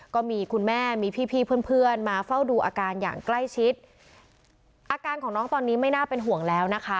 ก็มีคุณแม่มีพี่พี่เพื่อนเพื่อนมาเฝ้าดูอาการอย่างใกล้ชิดอาการของน้องตอนนี้ไม่น่าเป็นห่วงแล้วนะคะ